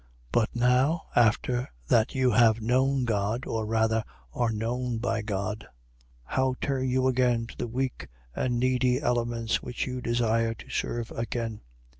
4:9. But now, after that you have known God, or rather are known by God: how turn you again to the weak and needy elements which you desire to serve again?